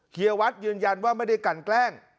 เฮียวัดยืนยันว่าไม่ได้กันแกล้ง